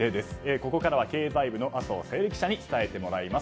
ここからは経済部の麻生小百合記者に伝えてもらいます。